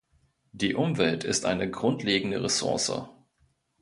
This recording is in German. Die Umwelt ist eine grundlegende Ressource.